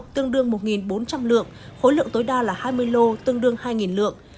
tương đương một bốn trăm linh lượng khối lượng tối đa là hai mươi lô tương đương hai lượng